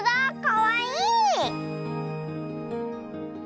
かわいい！